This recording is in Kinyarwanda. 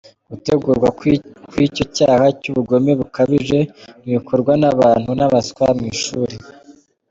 Gutegurwa kw’icyo cyaha cy’ubugome bukabije ntibikorwa n’abantu b’abaswa mu ishuri.